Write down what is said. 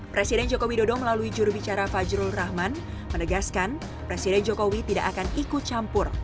presiden joko widodo melalui jurubicara fajrul rahman menegaskan presiden jokowi tidak akan ikut campur